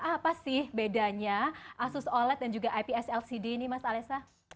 apa sih bedanya asus oled dan juga ips lcd ini mas alessa